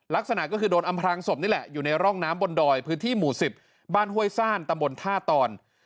ลักษณะก็คือโดนอำพลังศพนี่แหละอยู่ในร่องน้ำบนดอยพื้นที่หมู่๑๐บ้านห้วยซ่านตำบลท่าตอน